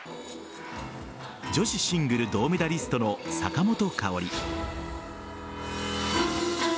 女子シングル銅メダリストの坂本花織。